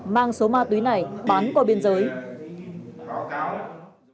mang số ma túy này bán qua biên giới